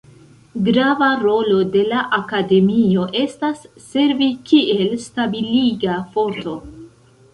Grava rolo de la Akademio estas servi kiel stabiliga forto.